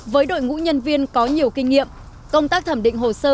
với đội ngũ nhân viên có nhiều kinh nghiệm